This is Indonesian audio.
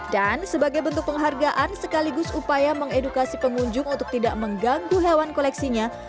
dan sebagai bentuk penghargaan sekaligus upaya mengedukasi pengunjung untuk tidak mengganggu hewan koleksinya